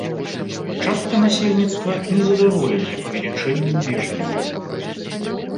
Частка насельніцтва незадаволеная павелічэннем бежанцаў.